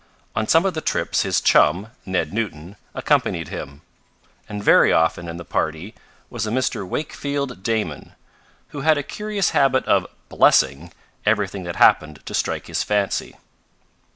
On some of the trips his chum, Ned Newton, accompanied him, and very often in the party was a Mr. Wakefield Damon, who had a curious habit of "blessing" everything that happened to strike his fancy.